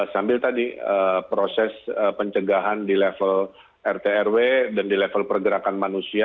sambil tadi proses pencegahan di level rt rw dan di level pergerakan manusia